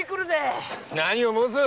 何を申す！